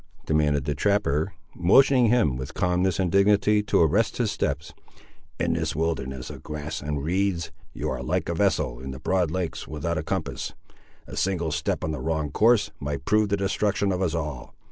demanded the trapper, motioning him, with calmness and dignity, to arrest his steps. "In this wilderness of grass and reeds, you are like a vessel in the broad lakes without a compass. A single step on the wrong course might prove the destruction of us all.